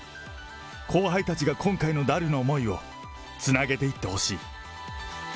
後輩たちが今回のダルの思いをつなげていってほしい。